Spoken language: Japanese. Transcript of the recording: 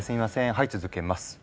はい続けます。